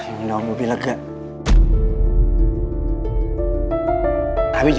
udah ada om odin